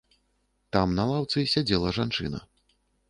Там на лаўцы сядзела жанчына.